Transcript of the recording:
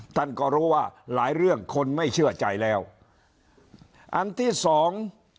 ท่านก็รู้ว่าหลายเรื่องคนไม่เชื่อใจแล้วอันที่สอง